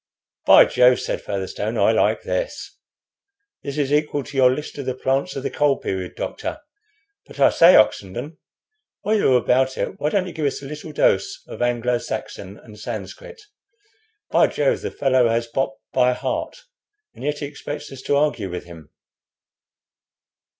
"By Jove!" said Featherstone, "I like this. This is equal to your list of the plants of the Coal Period, doctor. But I say, Oxenden, while you are about it, why don't you give us a little dose of Anglo Saxon and Sanscrit? By Jove! the fellow has Bopp by heart, and yet he expects us to argue with him."